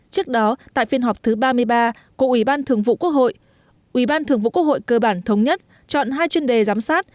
trước đó tại phiên họp thứ ba mươi ba của ủy ban thường vụ quốc hội ủy ban thường vụ quốc hội cơ bản thống nhất chọn hai chuyên đề giám sát